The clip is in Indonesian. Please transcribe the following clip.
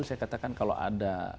saya katakan kalau ada